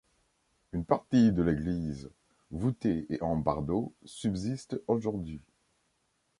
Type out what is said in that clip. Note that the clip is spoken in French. Une partie de l'église, voûtée et en bardeaux, subsiste aujourd'hui.